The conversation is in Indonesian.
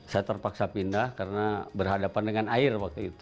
saya terpaksa pindah karena berhadapan dengan air